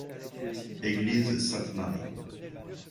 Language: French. Église Sainte-Marie.